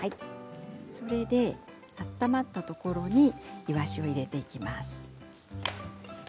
それで温まったところにイワシを入れていきます。